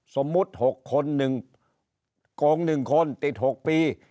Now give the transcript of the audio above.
สมมุติ๖คน๑โกง๑คนติด๖ปี